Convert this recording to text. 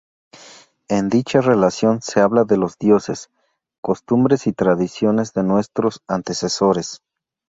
En dicha relación se habla de los dioses, costumbres y tradiciones de nuestros antecesores.